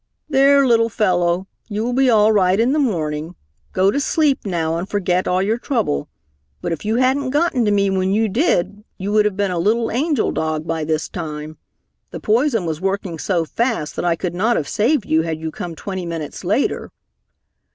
"There, little fellow, you will be all right in the morning. Go to sleep now and forget all your trouble. But if you hadn't gotten to me when you did, you would have been a little angel dog by this time. The poison was working so fast that I could not have saved you had you come twenty minutes later.